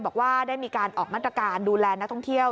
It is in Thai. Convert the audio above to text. บอกว่าได้มีการออกมาตรการดูแลนักท่องเที่ยว